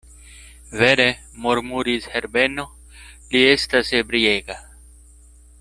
Vere, murmuris Herbeno, li estas ebriega.